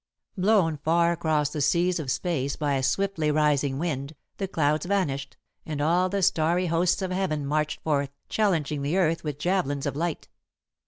Blown far across the seas of space by a swiftly rising wind, the clouds vanished, and all the starry hosts of heaven marched forth, challenging the earth with javelins of light.